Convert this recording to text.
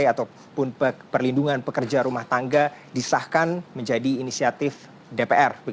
ataupun perlindungan pekerja rumah tangga disahkan menjadi inisiatif dpr